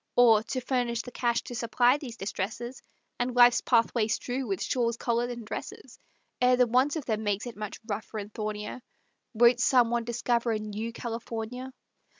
Or, to furnish the cash to supply these distresses, And life's pathway strew with shawls, collars and dresses, Ere the want of them makes it much rougher and thornier, Won't some one discover a new California?